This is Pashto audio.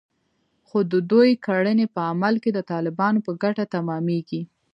خو د دوی کړنې په عمل کې د طالبانو په ګټه تمامېږي